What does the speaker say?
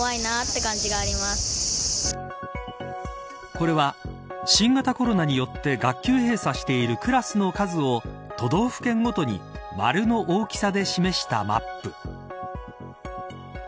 これは新型コロナによって学級閉鎖しているクラスの数を都道府県ごとに丸の大きさで示したマップ。